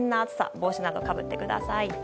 帽子などかぶってください。